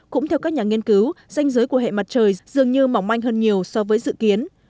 cũng theo các nhà nghiên cứu danh giới của hệ mặt trời dường như mỏng manh hơn nhiều so với dự kiến